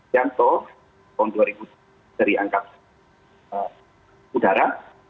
janto tahun dua ribu dua belas dari angkatan darat